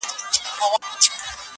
د زمان بلال به کله- کله ږغ کي-